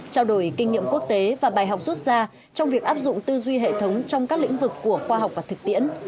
trao đổi kinh nghiệm quốc tế và bài học rút ra trong việc áp dụng tư duy hệ thống trong các lĩnh vực của khoa học và thực tiễn